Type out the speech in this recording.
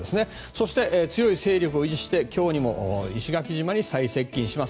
そして強い勢力を維持して今日にも石垣島に最接近します。